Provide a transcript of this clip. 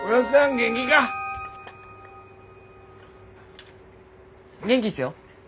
元気っすよ。